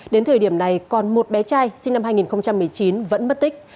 đến thời điểm này còn một bé trai sinh năm hai nghìn một mươi chín vẫn mất tích